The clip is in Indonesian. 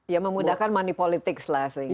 ya memudahkan money politics lah